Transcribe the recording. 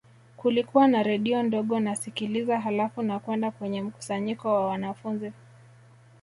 Kulikuwa na redio ndogo nasikiliza halafu nakwenda kwenye mkusanyiko wa wanafunzi